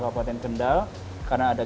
kabupaten kendal karena ada